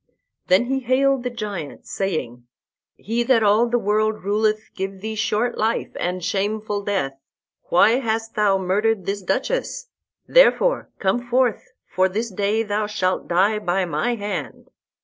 Then he hailed the giant, saying, "He that all the world ruleth give thee short life and shameful death. Why hast thou murdered this Duchess? Therefore come forth, for this day thou shalt die by my hand."